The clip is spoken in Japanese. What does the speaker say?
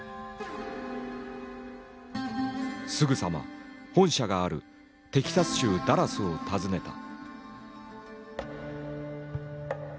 すぐさま本社があるテキサス州ダラスを訪ねた。